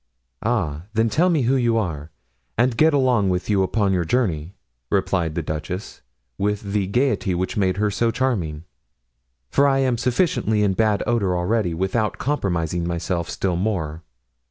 "Ah! then tell me who you are, and get along with you upon your journey," replied the duchess, with the gayety which made her so charming, "for I am sufficiently in bad odor already, without compromising myself still more."